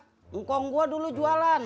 tukang gue dulu jualan